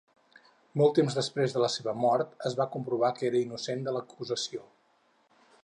Molt temps després de la seva mort, es va comprovar que era innocent de l'acusació.